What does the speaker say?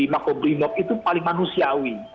di mako brimob itu paling manusiawi